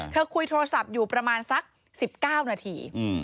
คุยโทรศัพท์อยู่ประมาณสัก๑๙นาที